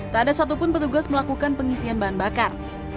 tak ada satupun petugas melakukan pengisian bahan bakar